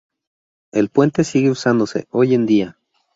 El puente sigue usándose hoy en día.